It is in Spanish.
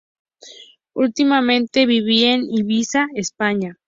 Últimamente vivía en Ibiza, España.